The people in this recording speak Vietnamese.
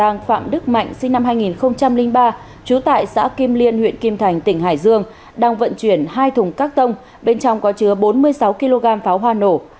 năm hai nghìn ba chú tại xã kim liên huyện kim thành tỉnh hải dương đang vận chuyển hai thùng các tông bên trong có chứa bốn mươi sáu kg pháo hoa nổ